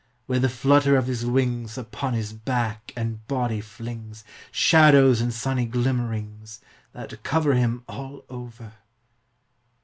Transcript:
where the flutter of his wings Upon his back and body flings Shadows and sunny glimmerings, That cover him all over.